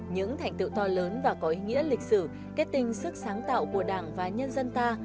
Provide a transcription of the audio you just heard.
những thành tựu to lớn và có ý nghĩa lịch sử kết tinh sức sáng tạo của đảng và nhân dân ta